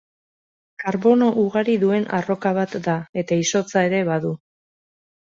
Karbono ugari duen arroka bat da eta izotza ere badu.